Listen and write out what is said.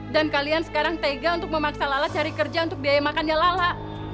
dan kalian sekarang tega untuk memaksa lala cari kerja untuk biaya makan yang lama